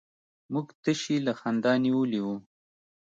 موږ تشي له خندا نيولي وو.